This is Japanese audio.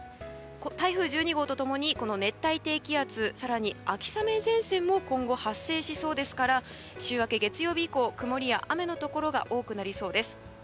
台風１２号と共にこの熱帯低気圧更に秋雨前線も今後、発生しそうですから週明け月曜日以降曇りや雨のところが多くなりそうです。